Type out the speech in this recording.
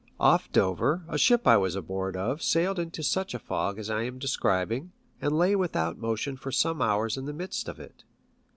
Off Dover a ship I was aboard of sailed into such a fog as I am describing, and lay without motion for some hours in the midst of it.